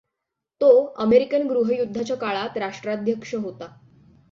तो अमेरिकन गृहयुद्धाच्या काळात राष्ट्राध्यक्ष होता.